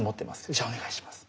じゃあお願いします。